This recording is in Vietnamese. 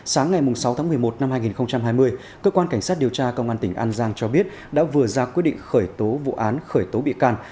sáng ngày sáu tháng một mươi một năm hai nghìn hai mươi cơ quan cảnh sát điều tra công an tỉnh an giang cho biết đã vừa ra quyết định khởi tố vụ án khởi tố bị can